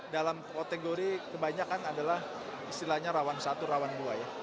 dalam kategori kebanyakan adalah istilahnya rawan satu rawan dua ya